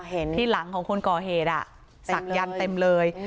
เห็นที่หลังของคนก่อเหตุศักยันต์เต็มเลย